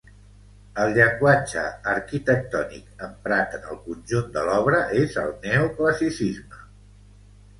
El llenguatge arquitectònic emprat en el conjunt de l'obra és el Neoclassicisme.